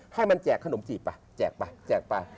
ให้มันแจกขนมจีบป่ะแจกป่ะแจกป่ะ